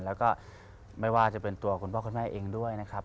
แล้วก็ไม่ว่าจะเป็นตัวคุณพ่อคุณแม่เองด้วยนะครับ